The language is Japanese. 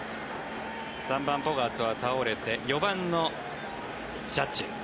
３番、ボガーツは倒れて４番のジャッジ。